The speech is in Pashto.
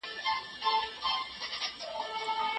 سندرې ټولنیز تړاو رامنځته کوي.